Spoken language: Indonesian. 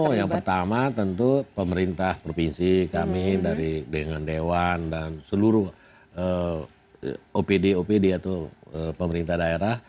oh yang pertama tentu pemerintah provinsi kami dari dengan dewan dan seluruh opd opd atau pemerintah daerah